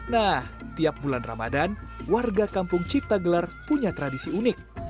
nah tiap bulan ramadan warga kampung cipta gelar punya tradisi unik